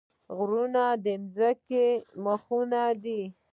غرونه د ځمکې میخونه دي